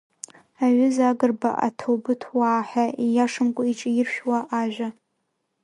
Аҩыза Агрба аҭаубыҭ уаа ҳәа ииашамкәа иҿаиршәуа ажәа.